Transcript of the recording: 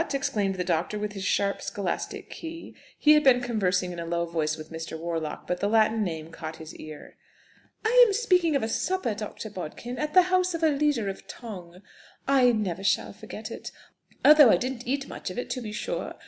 exclaimed the doctor in his sharp, scholastic key. He had been conversing in a low voice with Mr. Warlock, but the Latin name caught his ear. "I am speaking of a supper, Dr. Bodkin, at the house of a leader of tong. I never shall forget it. Although I didn't eat much of it, to be sure.